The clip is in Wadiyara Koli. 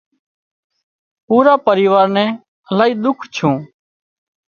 پورا پريوار نين الاهي ۮُک ڇون